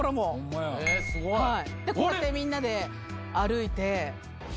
こうやってみんなで歩いて。